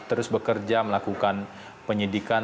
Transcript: terus bekerja melakukan penyidikan